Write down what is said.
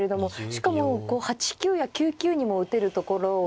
しかも８九や９九にも打てるところを６九。